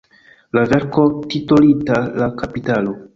La verko, titolita "La kapitalo.